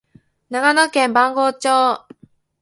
長野県飯綱町